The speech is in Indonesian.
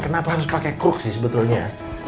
kenapa harus pakai cook sih sebetulnya